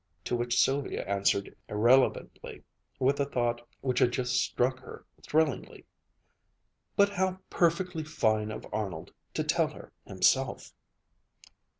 To which Sylvia answered irrelevantly with a thought which had just struck her thrillingly, "But how perfectly fine of Arnold to tell her himself!"